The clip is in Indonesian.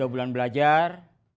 tiga bulan belajar